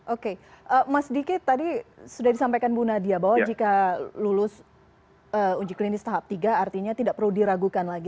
oke mas diki tadi sudah disampaikan bu nadia bahwa jika lulus uji klinis tahap tiga artinya tidak perlu diragukan lagi